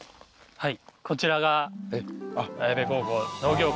はい。